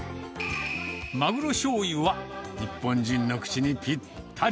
マグロしょうゆは、日本人の口にぴったり。